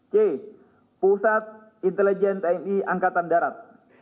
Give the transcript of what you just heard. c pusat intelijen tni angkatan darat